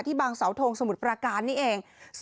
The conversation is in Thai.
ที่บางสาวโทงสมุทรปราการนี้เอง